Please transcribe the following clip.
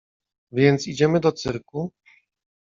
Więc idziemy do cyrku?